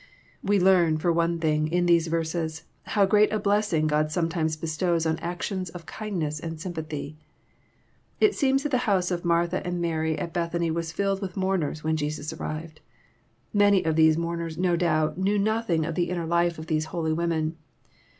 ~ We learn, for one thing, in these verses, how great a blessing Odd sometimes bestows on actions of kindness and sympathy. It seems that the house of Martha and Mary at Bethany was filled with mourners when Jesus arrived. Many of these mourners, no doqbt, knew nothing of the inner 268 EXF06IT0ST THOTJGHTS. life of these holy women.